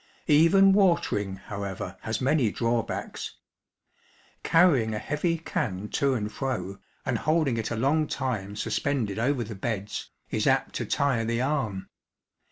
Even watering, however, has many drawbacks. Carrying a heavy can to and fro, and holding it a long time suspended over the beds, is apt to tire the arm.